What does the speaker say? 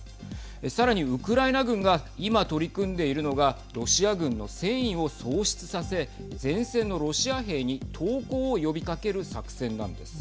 さらに、ウクライナ軍が今取り組んでいるのがロシア軍の戦意を喪失させ前線のロシア兵に投降を呼びかける作戦なんです。